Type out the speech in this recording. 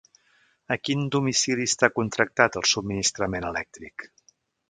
A quin domicili està contractat el subministrament elèctric?